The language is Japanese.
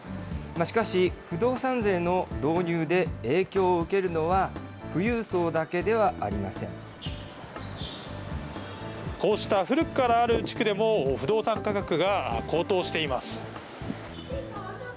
しかし、不動産税の導入で影響を受けるのは、富裕層だけではありこうした古くからある地区でも、不動産価格が高騰しています。